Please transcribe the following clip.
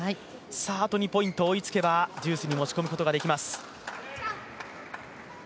あと２ポイント追いつけばデュースに持ち込むことができます。